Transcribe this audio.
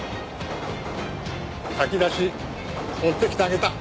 炊き出し持ってきてあげた。